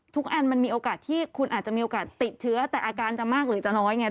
อันมันมีโอกาสที่คุณอาจจะมีโอกาสติดเชื้อแต่อาการจะมากหรือจะน้อยไง